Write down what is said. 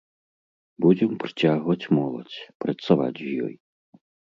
Будзем прыцягваць моладзь, працаваць з ёй.